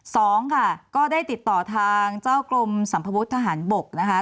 สองค่ะก็ได้ติดต่อทางเจ้ากรมสัมภวุฒิทหารบกนะคะ